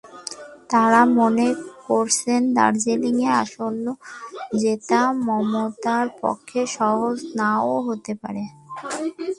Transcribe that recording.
তাঁরা মনে করছেন, দার্জিলিং আসন জেতা মমতার পক্ষে সহজ না-ও হতে পারে।